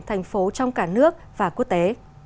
thành phố trong cả nước và quốc tế